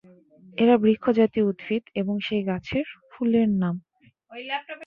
এরা বৃক্ষ জাতীয় উদ্ভিদ এবং সেই গাছের ফুলের নাম।